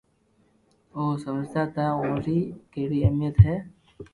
اهو سمجهندا ته ان جي ڪهڙي اهميت آهي،